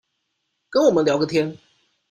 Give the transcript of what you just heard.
跟我們聊個天